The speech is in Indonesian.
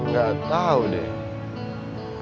gak tau deh